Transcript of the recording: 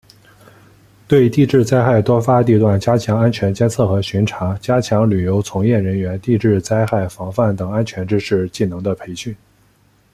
对地质灾害多发地段加强安全监测和巡查；加强旅游从业人员地质灾害防范等安全知识技能的培训